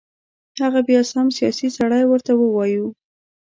هغه بیا سم سیاسي سړی ورته ووایو.